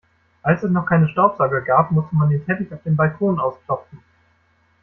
Als es noch keine Staubsauger gab, musste man den Teppich auf dem Balkon ausklopfen.